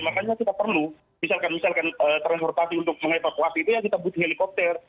makanya kita perlu misalkan misalkan transportasi untuk meng evakuasi itu ya kita butuh helikopter